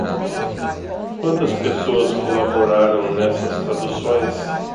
Quantas pessoas colaboraram nessas traduções?